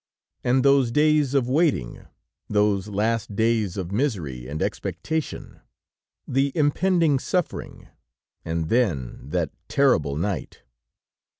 And those days of waiting, those last days of misery and expectation! The impending suffering and then, that terrible night!